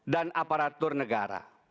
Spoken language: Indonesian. dan aparatur negara